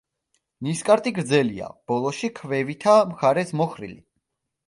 ნისკარტი გრძელია, ბოლოში ქვევითა მხარეს მოხრილი.